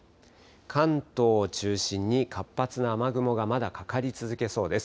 関東を中心に活発な雨雲がまだ、かかり続けそうです。